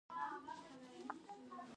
مدونه بڼه وښتي.